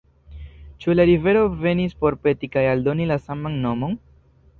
Ĉu la rivero venis por peti kaj aldoni la saman nomon?